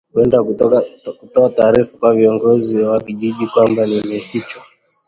kwenda kutoa taarifa kwa viongozi wa kijiji kwamba nimefichwa